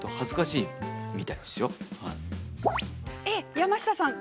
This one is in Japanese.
山下さん